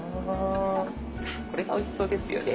これがおいしそうですよね。